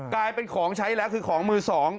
กลายเป็นของใช้แล้วคือของมือสอง